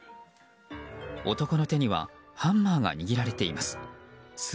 男の手にはハンマーが握られています。